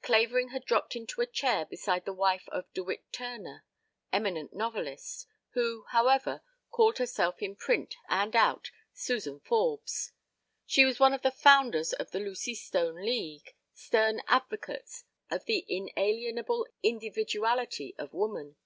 Clavering had dropped into a chair beside the wife of De Witt Turner, eminent novelist, who, however, called herself in print and out, Suzan Forbes. She was one of the founders of the Lucy Stone League, stern advocates of the inalienable individuality of woman.